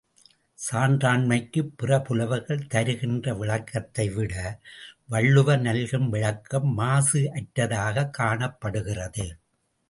சான்றாண்மைக்குப் பிற புலவர்கள் தருகின்ற விளக்கத்தைவிட வள்ளுவர் நல்கும் விளக்கம் மாசு அற்றதாகக் காணப்படுகிறது.